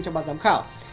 trong ban giám khảo